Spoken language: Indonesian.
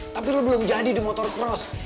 tapi lo belum jadi di motocross